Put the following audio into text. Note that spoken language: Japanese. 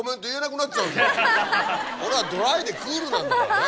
俺はドライでクールなんだからね。